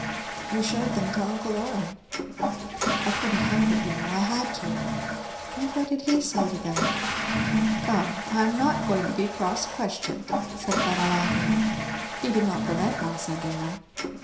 "You shewed them to uncle Orrin?" "Couldn't help it, you know. I had to." "And what did he say to them?" "Come! I'm not going to be cross questioned," said Fleda laughing. "He did not prevent my sending them."